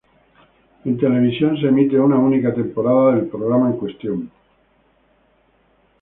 En televisión se emite una única temporada del programa en cuestión.